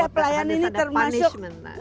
pelayanan ini termasuk